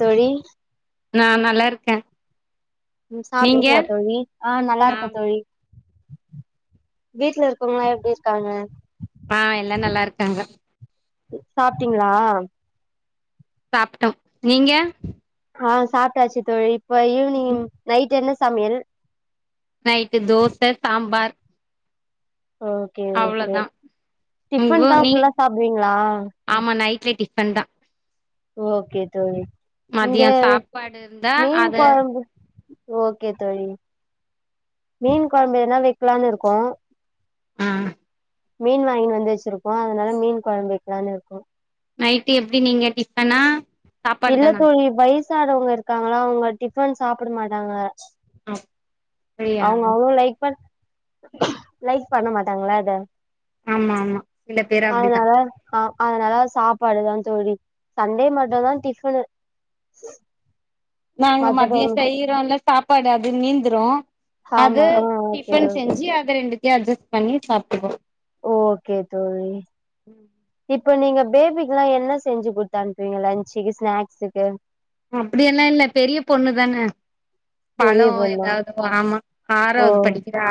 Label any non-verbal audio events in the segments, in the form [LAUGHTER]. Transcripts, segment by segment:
தோழி நா நல்லாருக்கே ம் சாப்டிங்ளா தோழி ஆ நல்லா இருக்கே தோழி வீட்ல இருக்கவுங்கல்லா எப்டி இருக்காங்க ஆ எல்லா நல்லாருக்காங்க சாப்ட்டீங்ளா சாப்ட்டம் நீங்க ஆ சாப்ட்டாச்சு தோழி இப்ப ஈவ்னிங் நைட்டு என்ன சமயல் நைட்டு தோச தாம்பார் ஓகே ஓகே உங்க டிஃபன்தா நீ ஃபுல்லா சாப்டுவீங்ளா ஆமா நைட்லே டிஃப்பன்தா ஓகே தோழி இங்க மதியோ சாப்பாடு இருந்தா மீன் அது கொழம்பு ஓகே தோழி மீன் கொழம்பு எதுனா வெக்லானு இருக்கோ ம் ம் மீன் வாங்கினு வந்து வச்சிருக்கோ அதனால மீன் கொழம்பு வைக்கலான்னு இருக்கோ நைட்டு எப்டி நீங்க டிஃப்பனா இல்ல தோழி வயசானவுங்க இருக்காங்கள அவுங்க டிஃபன் சாப்ட மாட்டாங்க அப்டியா அவுங்க அவ்ளோ லைக் பண் லைக் பண்ண மாட்டாங்களா அத ஆமா ஆமா சில பேர் அப்டிதா அதனால அ அதனால சாப்பாடுதா தோழி சண்டே மட்டுந்தா டிஃபனு நாங்க மத்த மதியோ டைம் செய்றோல்ல சாப்பாடு அது மீந்துரு அது ஆமா ஆ ஓகே டிஃபன் ஓகே செஞ்சி அத ரெண்டுத்தயு அஜஸ் பண்ணி சாப்டுக்கோ ஓகே தோழி இப்ப நீங்க பேபிக்குல்லா என்ன செஞ்சு குடுத்தனுப்புவீங்க லன்ஞ்சுக்கி ஸ்நாக்ஸுக்கு அப்டியெல்லா இல்ல பெரிய பொண்ணு தான பெரிய பழோ பொண்ணா ஏதாது ஆமா ஓ ஆறாவது படிக்கிறா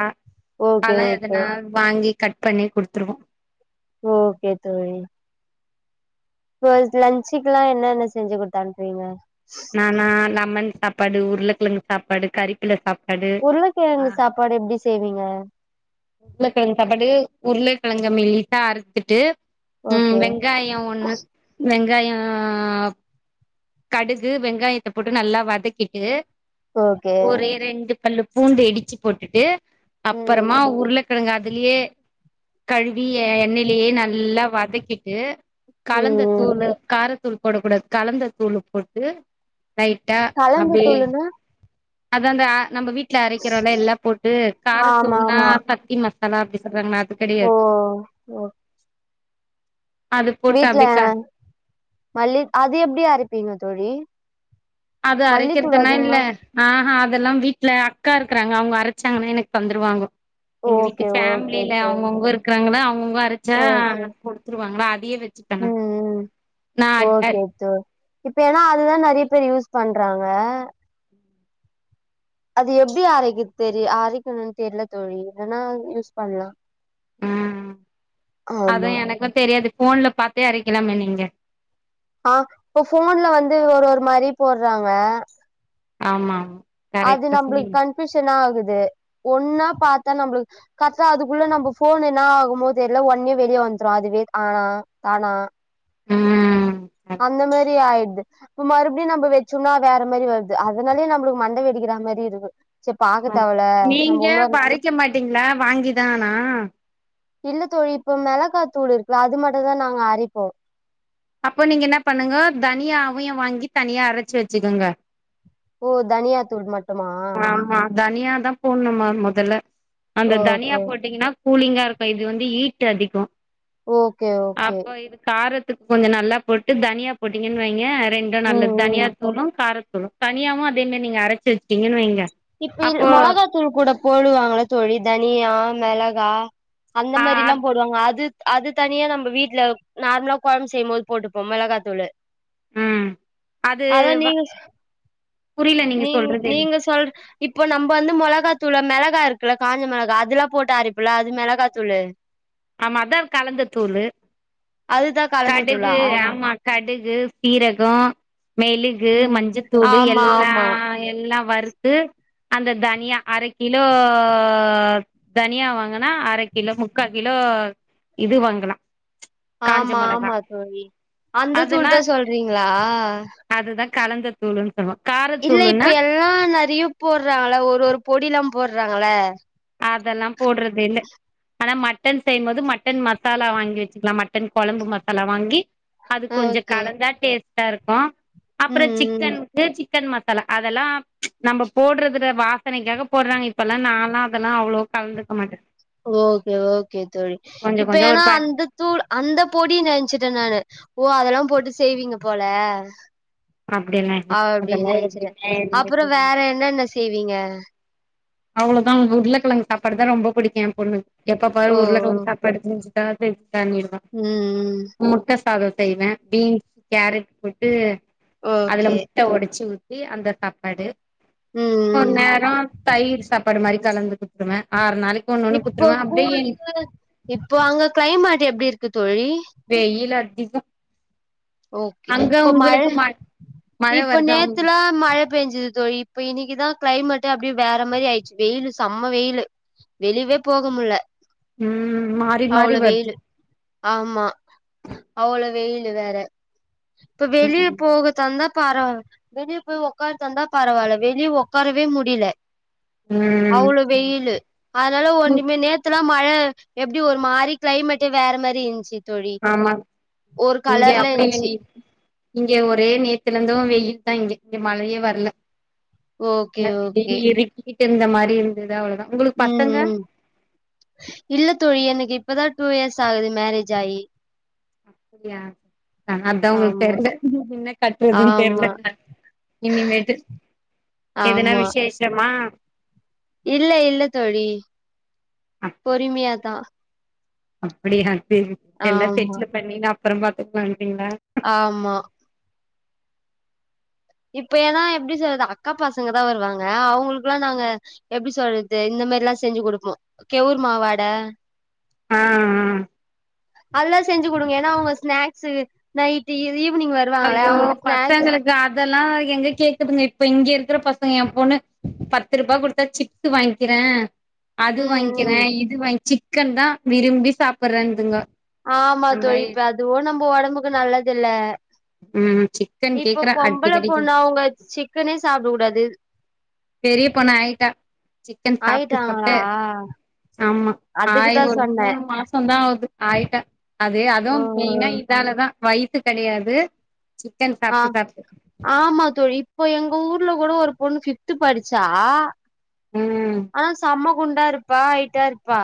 ஓகே பழோ ஓகே எதுனா வாங்கி கட் பண்ணி குடுத்துருவோ ஓகே தோழி ட்டுவைஸ் லஞ்சுக்லா என்னென்ன செஞ்சு குத் அனுப்புவீங்க நானா லெமன் சாப்பாடு உருளக்கிலங்கு சாப்பாடு கறி இல்ல சாப்பாட்டாச்சு உருளகிழங்கு சாப்பாடு எப்டி செய்வீங்க உருளக்கிழங்கு சாப்பாட்டுக்கு உருளக்கிழங்க மெல்லிசா அறுத்துட்டு ம் ஓகே வெங்காயம் ஒண்ணு வெங்காயோ கடுகு வெங்காயத்த போட்டு நல்லா வதக்கிட்டு ஓகே ஒரே ரெண்டு பல்லு பூண்டு இடிச்சு போட்டுட்டு ம் அப்பறமா உத் [UNINTELLIGIBLE] அதுலயே கழுவி எண்ணெலையே நல்லா வதக்கிட்டு ம் கலந்த ம் தூளு காரத்தூள் போடக்கூடாது கலந்த தூளு போட்டு [UNINTELLIGIBLE] கலந்த தூளுனா அதா இந்த நம்ப வீட்ல அரைக்கிறோல எல்லா போட்டு ஆமா காரதூள்னா ஆமா சத்தி மஸ் [UNINTELLIGIBLE] அப்டி சொல்றாங்ள அது ஓ கெடையாது ஓ அது போட்டு வீட்ல அப்டியே க மல்லி அது எப்டி அரப்பீங்க தோழி அது மல்லித்தூள் அரைக்கிறதுன்னா இல்ல அதிகமா ஆஹா அதெல்லா வீட்ல அக்காருக்கறாங்க அவங்க அரைச்சாங்கன்னா எனக் தந்துருவாங்க எங்க வீட்டு ஓகே ஓகே ஃபேம்லில தோழி அவுங்கவுங்கோ இருக்குறாங்காதா அவுங்கவுங்கோ அரச்சா ஓகே [UNINTELLIGIBLE] வந்துருவாங்களா அதயே வெச்சி ம் ம்ம் ம் ஓகே தோழி இப்ப ஏன்னா அதுதா நறையா பேர் யூஸ் பண்றாங்க அது எப்டி அரைக்குத் தெரி அரைக்கணு தெர்ல தோழி இல்லன்னா யூஸ் பண்லா ஆ அதா ஆமா எனக்கு தெரியாது ஃபோன்ல பாத்தே அரைக்கலாமே நீங்க ஆ இப்ப ஃபோன்ல வந்து ஒரு ஒரு மாரி போட்றாங்க ஆமா அது கரெக்டா சொன்னீங்க நம்புளுக்கு கன்பியூஷனா ஆகுது ஒன்னா பாத்தா நம்புளுக்கு கர்ட்டா அதுக்குள்ள நம்ப ஃபோன் என்ன ஆகுமோ தெர்ல ஒன்னே வெளியே வந்துரு அதுவே ஆனா தானா ம் அந்த மெரி ஆயிட்து இப்ப மறுபடியு நம்ப வெச்சும்னா வேற மாரி வருது அதனாலயே நம்புளுக்கு மண்ட வெடிக்கிற மெரிருக்கு செரி பாக்க தேவல்ல நம்ம ஒன்னொரு வைக்க மாட்டீங்ளா வாங்கிதானா இல்லத்தோழி இப்ப மிளகாதூள் இருக்குலா அது மட்டும்தா நாங்க அரைப்போ அப்ப நீங்க என்ன பண்ணுங்க தனியாவையு வாங்கி தனியா அரச்சி வெச்சுக்கோங்க ஓ தனியா தூள் ஆமா தனியாதா போட்ணும்மா மொதல்ல அந்த தனியா ஓகே போட்டீங்கன்னா கூலிங்கா இருக்கு இது வந்து ஹீடடு அதிகோ ஓகே ஓகே அப்ப இது காரத் இதுக் கொஞ்சோ நல்லா போட்டு தனியா போட்டீங்கன் வெய்ங்க ரெண்டு ம் நல்லது தனியா ம் தூளு காரத்தூளு தனியாவு அதே மெரி நீங்க அரச்சி வெச்சீங்கன்னு வெய்ங்க இப்ப இன் மொளகாத்தூள் கூட போடுவாங்கள தோழி தனியா மெளகா அந்த ஆ மாரில்லா போடுவாங்க அது அது தனியா நம்ப வீட்ல நார்மலா கொழம்பு செய்யு போது போட்டுப்போ மொளகாத்தூளு ம் அது அதா வ நீங்க புரியல நீங்க நீங் சொல்றது நீங்க சொல்ற இப்போ நம்ப வந்து மொளகா தூளு மிளகா இருக்குல காஞ்ச மிளகா அதெல்லா போட்டு அரைப்பல அது மிளகாத்தூளு ஆமா அதா கலந்த தூளு அதுதா கலந்த தூளா கடுகு ஆமா கடுகு சீரகோ மெலு து ம் மஞ்சத்தூளு ஆமா எல்லா ஆமா எல்லா வறுத் டு அந்த தனியா அரைகிலோ தனியா வாங்கனா அரைகிலோ முக்காகிலோ இது வாங்கலா காஞ்ச ஆமா மொளகா ஆமா தோழி அந்த தூள் அதுனா தா சொல்றீங்ளா அதுதா கலந்த தூளுன்னு நம்ம கார இல்ல இப்ப எல்லா நெறயா போடுறாங்களா ஒரு ஒரு பொடிலா போடுறாங்கள அதெல்லா போடுறது இல்ல ஆனா மட்டன் செய்யு போது மட்டன் மசாலா வாங்கி வச்சுக்கலா மட் டன் கொழம்பு மசாலா வாங்கி அது கொஞ்சோ ஓகே கலந்தா டேஸ்ட்டாருக்கு அப்பற ம் ம் சிக்கன் வே சிக்கன் மசாலா அதெல்லா நம்ப போடுறதில்ல வாசனைக்காக போடுறாங்க இப்பெல்லா நாலா அதெல்லா அவ்ளோ கலந்துக்க மாட்ட ஓகே ஓகே தோழி இப்ப கொஞ்சோ ஒரு ஏனா பே அந்து தூள் அந்த பொடி நெனச்சுட்ட நானு ஓ அதெல்லா போட்டு செய்வீங்க போல அப்டியெல்லா இல்ல அப்டின்னு அதெல்லா எதுவுமே நனச்சுட்ட எதுவுமே அப்றோ செய்ய வேற மாட்டே என்னென்ன செய்வீங்க அவ்ளோதா உருள கிழங்கு சாப்பாடு தா ரொம்ப புடிக்கு எ பொண்ணு எப்ப பாரு ஓ ஓ உருளக்கிழங்கு சாப் கெடச்ச நிமிஷ டார்கெட் பண்ணிருவா ம் முட்ட சாத செய்வ பீன்ஸ் கேரட் போட்டு அதுல ஓகே ட்ட உடச்சு ஊத்தி அந்த சாப்பாடு ம் ஒரு ம் நேரோ வீட்டு சாப்பாடு மாரி கலந்து குடுத்துருவ ஆறு நாளைக்கு ஒன்னொன்னு இப்போ குடுத்துருவ அப்டியே கூலிங்கு இப்போ அங்க கிளைமேட் எப்டி இருக்கு தோழி வெயிலு அதிகோ ஓகே அங்க இப்ப மழ உங்களுக்கு ம மழ இப்ப வருதா உங் நேத்துலா மழை பெஞ்சுது தோழி இப்ப இன்னிக்கி தா கிளைமேட் அப்டியே வேற மாரி ஆயிச்சு வெயிலு செம வெயிலு வெளியவே போக முடில ம் மாறி மாறி அவ்ளோ வருது வெயிலு ஆமா அவ்ளோ வெயிலு வேற இப்ப வெளிய ம் போக தந்தா பர வெளிய போய் உக்காரதா இருந்தா பரவால்ல வெளிய உக்காரவே முடில ம் அவ்ளோ வெயிலு அதனால ஒன்னுமே நேத்துலா மழ எப்டி ஒரு மாரி கிளைமேட்டே வேற மாரி இருந்ச்சி தோழி ஒரு கலர்ல ஐ இருந்துச்சு நீட் இங்க ஒரே நேத்துல இருந்து வெயிலு தா இங்க இங்க மழயே வரல ஓகே இன்னைக்கு ஓகே வெளிய இருட்டிக்கிட்டு இருந்த மாரி இருந்துது அவ்ளோ தா ம் ம் இல்ல தோழி எனக்கு இப்பதா டூ இயர்ஸ் ஆகுது மேரேஜ் ஆயி அப்டியா ஆ அதா உங்களுக்கு ஆமா தெர்ல என்ன கட்டுறதுனு ஆமா தெர்லக்கா இனிமேட்டு எதுனா ஆமா விசேஷமா இல்ல இல்ல தோழி பொறுமையா தா அப்டியா சேரி எல்லா ஆமா தெச்சில பண்ணி நா அப்றமா பாத்துக்கலா நெனப்பீங்களா ஆமா இப்ப ஏனா எப்டி சொல்றது அக்கா பசங்க தா வருவாங்க அவுங்களுக்குலா நாங்க எப்டி சொல்றது இந்த மாரிலா செஞ்சு குடுப்போ கெவுர் மாவு அட ஆ நல்லா செஞ்சு குடுங்க ஏனா அவுங்க ஸ்நாக்ஸ்ஸு நைட்டு ஈவினிங் வரு அய்யோ பசங்களுக் அதெல்லா எங்க கேக்குதுங்க இப்ப இங்க இருக்குற பசங்க என் பொண்ணு பத்ருபா குடுத்தா சி ட்டு வாங்கிற அது ம் வாங்கிறே ம் இது வாங்கி சிக்கன்தா விரும்பி சாப்புடுறேன்துங்க ஆமா தோழி இப்ப அதுவு நம்ப உடம்புக்கு நல்லதுல்ல ம் சிக்கன் இப்ப கேக்குறா பொம்பள அடிக்கடிக்கு பொண்ணாவுங்க சிக்கனே சாப்டக் கூடாது பெரிய பொண் ஆய்ட்டா சிக்கன் சாப்ட்டு ஆயிட்டாங்களா சாப்ட்டு ஆமா ஆயி அதுக்குதா ஒரு சொன்னே மூணு மாசோ கஸ்டோந்தா ஆவுது ஆயிட்ட அது அதுவு ஓ மெயினா இதாலதா வயசு கெடையாது சிக்கன் ஆ சாப்ட்டு சாப்ட்டு ஆமா தோழி இப்போ எங்க ஊர்ல கூடோ ஒரு பொண்ணு ஃபிஃப்த்து படிச்சா ம் ஆனா செம்ம குண்டா இருப்பா ஐட்டா இருப்பா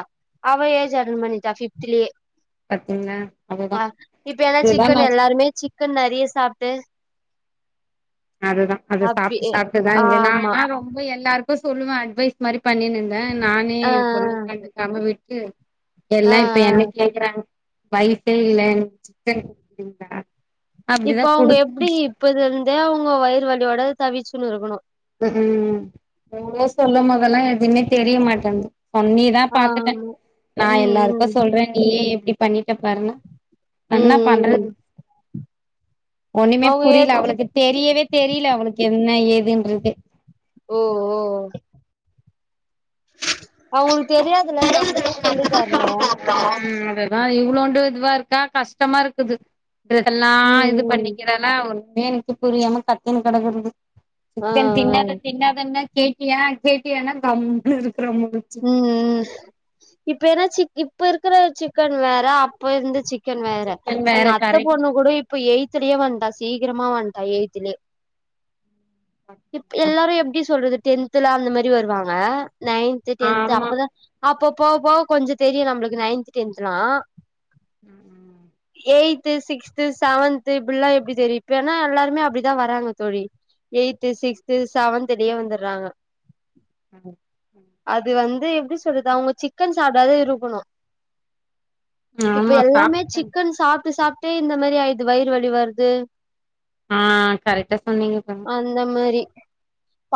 அவ ஏஜ் அட்டன் பண்ணிட்டா ஃபிஃப்த்துலியே பாத்தீங்களா அதுதா ஆ இப்ப எல்லா இதுதா நா சிக்கன் எல்லாருமே சிக்கன் நறிய சாப்ட்டு அதுதா அது அப்டி சாப்ட்டு சாப்ட்டுதா இந்தே ஆமா நானா ரொம்ப எல்லாருக்கு சொல்லுவே அட்வைஸ் மாரி பண்ணிணுந் ர நானே ஆ என் பொண்ணுக்கண்டு காம விட்டு ஆ எல்லா இப் ஆ என்ன கேக்றாங் வய்சே இல்ல சிக்கன் [INAUDIBLE] இப்ப அப்டிதா அவ்ங்க எப்டி குடுத் இப்பதுருந்தே அவ்ங்க வயிறு வலியோட தவிச்சுனு இருக்குணு ம் எவ்ளோ சொல்லும் போதெல்லா எதுவுமே தெரியமாட்டேன்து பன்னி நா பாத்துட்டே ஆமா நா ம் எல்லாருக்கு ம் சொல்றே நீயே எப்டி பண்ணிட்ட பாருனு ம் அன்னா ம் பண்றது ஒண்ணுமே அவங்க புரியுல அவளுக்கு தெரியவே தெரியுல அவளுக்கு என்ன ஏதுன்றதே ஓ ஓ அவங்களு தெரியாதுல நம்முதா சொல்லி தர்ணு ம் அதுதா இவ்ளூண்டு இதுவா இருக்கா கஷ்டமா இருக்குது ட்ரெஸல்லா இது பண்ணி ம் ம் இல்லனா ஒண்ணமே எனக்கு புரியாம கத்தின்னு கெடக்கறது ஆ சிக்கன் ஆ தின்னாத தின்னாதனா கேட்டியா கேட்டியானா கம்முனு இருக்றோ முள்ச் ம் ம் இப் ஏனாச்சி இப்ப இருக்குற சிக்கன் வேற அப் இருந்த சிக் கன் வேற சிக்கன் வேற எங் அத்த கரைக்கு பொண்ணு கூட இப்ப எய்த்துலயே வந்ட்டா சீக்கிரமா வந்ட்டா எய்த்துலே எல்லாரு எப்டி சொல்றது டென்த்லா அந்த மேரி வருவாங்க நைன்த்து டென்த் ஆமா அப்பதா அப்ப போக போக கொஞ்சோ தெரியு நம்முளுக்கு நைன்த்து டென்த்லா ம் ம் எய்த்து சிக்ஸ்த்து சவன்த்து இப்புல்லா எப்டி தெரி இப்பன்னா எல்லாருமே அப்டிதா வராங்க தோழி எய்த்து சிக்ஸ்து சவன்து டே வந்துர்றாங்க அஉ அது வந்து எப்டி சொல்றது அவுங்க சிக்கன் சாப்டாதே இருக்குணு இப்பு ஆமா எல்லாமே சாப்ட்டுட்டேங்க சிக்கன் சாப்ட்டு சாப் ட்டு இந்த மாரி ஆயிருது வயிறு வலி வருது ஆ கரக்ட்டா சொன்னீங்கப்ப அந்த மாரி ச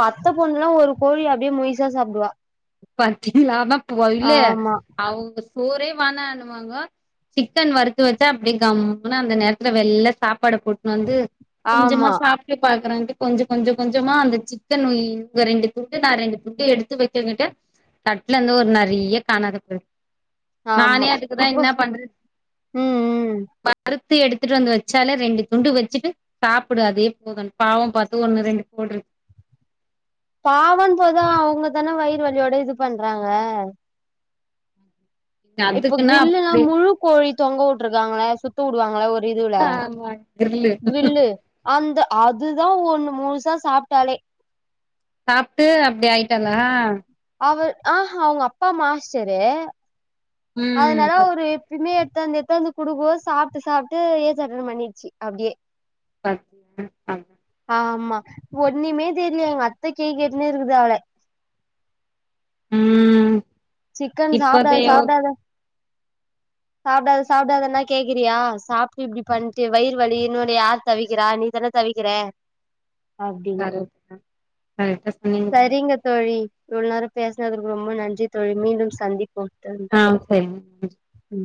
அத்த பொண்ணுல்லா ஒரு கோழி அப்டியே முயிசா சாப்டுவா பாத்திங்லா அதா போ இல்லே ஆமா அவங்க சோறே வானானுவாங்கோ சிக்கன் வறுத்து வச்சா அப்டியே கம்முனு அந்த நேரத்துல வெள்ள சாப்பாட போட்ணு வந்து கொஞ்சமா ஆமா சாப் ப்டி பாக்கறான்ட்டு கொஞ்சு கொஞ்சு கொஞ்சமா அந்த சிக்கன் உயி இவ ரெண்டு துண்டு நா ரெண்டு துண்டு எடுத்து வக்கங்கிட்ட தட்லந்து ஒரு நறிய காணாத போய் நானே ஆமா அதுக்குதா இப்போ என்ன பண்றது ம் ம் வறுத்து எடுத்துட்டு வந்து வெச்சால ரெண்டு துண்டு வெச்சிட்டு சாப்புடு அதே போதுன் பாவோ பாத்து ஒண்ணு ரெண்டு போட்று பாவன் போதா அவ்ங்க தான வயிறு வலியோட இது பண்றாங்க இப்ப அதுக்குன்னா க்ர்ல்லுனா அப்டி முழு கோழி தொங்கவுட்ருக்காங்களா சுத்த வுடுவாங்களா ஒர் இதுலா ஆமா கிர்லு க்ரில்லு அந்த அதுதா ஒண்ணு முழுசா சாப்ட்டாலே சாப்ட்டு அப்டி ஆயிட்டாளா அவர் ஆஹா அவுங்க அப்பா மாஸ்ட்டரு ம் அதனால அவுரு எப்பயுமே எடுத்தாந்து எத்தாந்து குடுபோ சாப்ட்டு சாப்ட்டு ஏஜ் அட்டன் பண்ணிடுச்சு அப்டியே [INAUDIBLE] ஆமா ஒன்னுமே தெர்ல எங்க அத்த கேழி கேட்ன்னே இருக்கு அவல ம் சிக்கன் இப்பதே சாப்டாத சாப்டாத [INAUDIBLE] சாப்டாத சாப்டாதனா கேக்கிறியா சாப்ட்டு இப்டி‌ பண்ட்டு வயிறு வலி இன்னோட யார் தவிக்கிறா நீ தான தவிக்கிறே அப்டின்னு கரெக்ட் கரெக்டா சொன்னீங்க தோழி சரிங்க தோழி இவ்ளோ நேரம் பேசனதுக்கு ரொம்ப நன்றி தோழி மீண்டும் சந்திப்போம் தோழி அ செரிங்க ம்